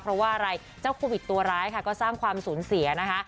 เพราะว่าอะไรเจ้าโควิดตัวร้ายค่ะก็สร้างความสูญเสียนะคะ